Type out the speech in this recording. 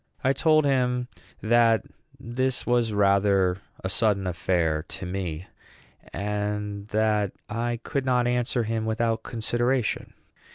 I told him that this was rather a sudden affair to me, and that I could not answer him without consideration.